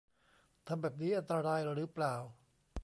ทำแบบนี้อันตรายหรือเปล่า